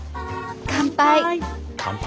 乾杯！